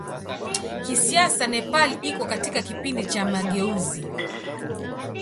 Kisiasa Nepal iko katika kipindi cha mageuzi.